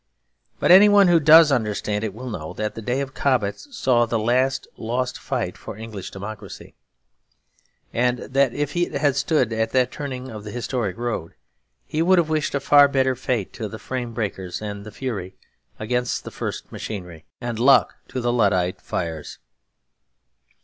But any one who does understand it will know that the days of Cobbett saw the last lost fight for English democracy; and that if he had stood at that turning of the historic road, he would have wished a better fate to the frame breakers and the fury against the first machinery, and luck to the Luddite fires.